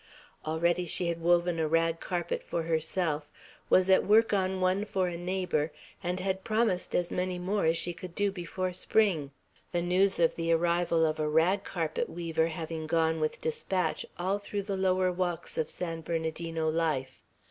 Already she had woven a rag carpet for herself, was at work on one for a neighbor, and had promised as many more as she could do before spring; the news of the arrival of a rag carpet weaver having gone with despatch all through the lower walks of San Bernardino life.